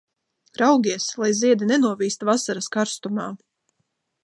Raugies, lai ziedi nenovīst vasaras karstumā!